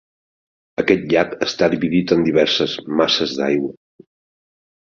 Aquest llac està dividit en diverses masses d'aigua.